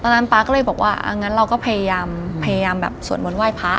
ตอนนั้นป๊าก็เลยบอกว่าอันนั้นเราก็พยายามแบบสวนมโนนไหว้พระ